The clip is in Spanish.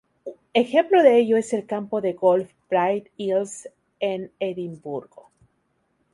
Ejemplo de ello es el campo de golf Braid Hills en Edimburgo.